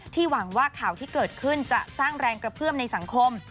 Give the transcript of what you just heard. หวังว่าข่าวที่เกิดขึ้นจะสร้างแรงกระเพื่อมในสังคม